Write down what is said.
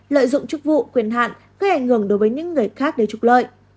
lợi dụng chức vụ quyền hạn gây ảnh hưởng đối với những người khác để trục lợi